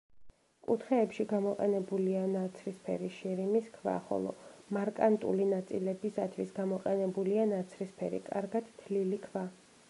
კუთხეებში გამოყენებულია ნაცრისფერი შირიმის ქვა, ხოლო მარკანტული ნაწილებისათვის გამოყენებულია ნაცრისფერი, კარგად თლილი ქვა.